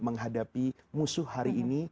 menghadapi musuh hari ini